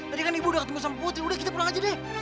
tadi kan ibu udah ketemu sama putih udah kita pulang aja deh